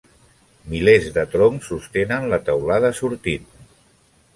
Milers de troncs sostenen la teulada sortint.